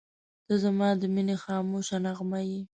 • ته زما د مینې خاموشه نغمه یې.